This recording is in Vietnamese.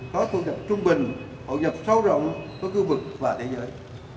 có thu nhập trung bình hậu nhập sâu rộng có cư vực và thế giới